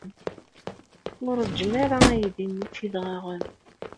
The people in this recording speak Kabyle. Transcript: Ur ṛejjem ara aydi-nni s yidɣaɣen.